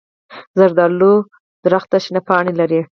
زردالو ونه شنه پاڼې لري.